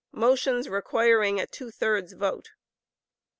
Motions requiring a two thirds vote.